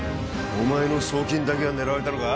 お前の送金だけが狙われたのか？